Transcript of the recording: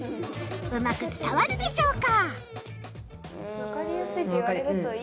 うまく伝わるでしょうか？